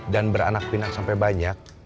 dan beranak pinak sampai banyak